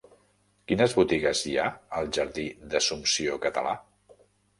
Quines botigues hi ha al jardí d'Assumpció Català?